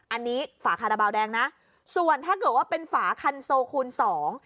อันนี้ฝาคาราบาลแดงนะส่วนถ้าเกิดว่าเป็นฝาคันโซคูณสอง